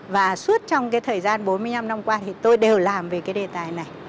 và suốt trong cái thời gian bốn mươi năm năm qua thì tôi đều làm về cái đề tài này